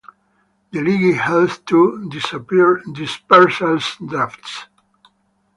The league held two "dispersal drafts".